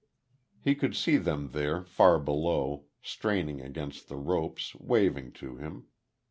He could see them there, far below, straining against the ropes, waving to him.